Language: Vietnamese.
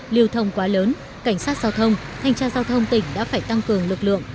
lưu thông quá lớn cảnh sát giao thông thanh tra giao thông tỉnh đã phải tăng cường lực lượng